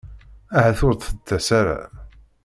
Ahat ur d-tettas ara.